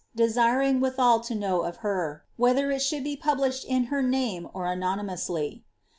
desiring withal to know of her, whether it should be published in her name, or anonymously.